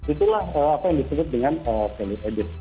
itulah apa yang disebut dengan value added